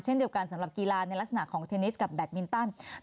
เช่นเดียวกันสำหรับกีฬาในลักษณะของเทนนิสกับแบตมินตัน